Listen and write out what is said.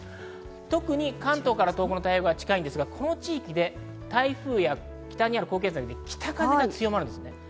特に関東から東北の太平洋側が近いんですが、この地域で台風や北にある高気圧により北風が強まるんです。